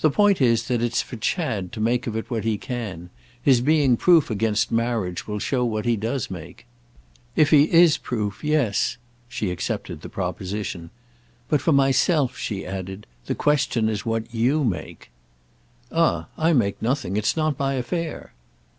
"The point is that it's for Chad to make of it what he can. His being proof against marriage will show what he does make." "If he is proof, yes"—she accepted the proposition. "But for myself," she added, "the question is what you make." "Ah I make nothing. It's not my affair."